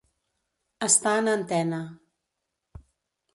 Estar en antena.